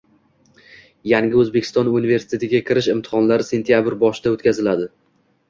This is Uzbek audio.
Yangi O‘zbekiston universitetiga kirish imtihonlari sentabr boshida o‘tkaziladi